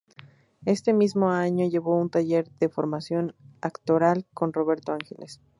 Ese mismo año llevó un taller de formación actoral con Roberto Ángeles.